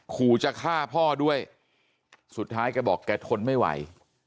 ขู่จะฆ่าพ่อด้วยสุดท้ายแกบอกแกทนไม่ไหว